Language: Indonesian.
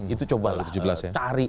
itu cobalah cari